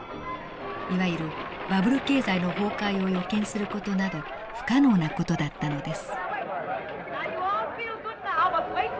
いわゆるバブル経済の崩壊を予見する事など不可能な事だったのです。